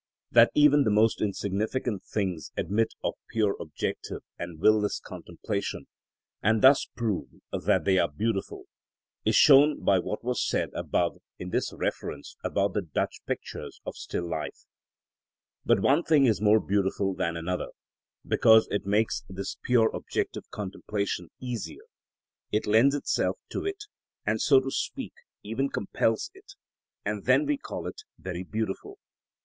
That even the most insignificant things admit of pure objective and will less contemplation, and thus prove that they are beautiful, is shown by what was said above in this reference about the Dutch pictures of still life (§ 38). But one thing is more beautiful than another, because it makes this pure objective contemplation easier, it lends itself to it, and, so to speak, even compels it, and then we call it very beautiful.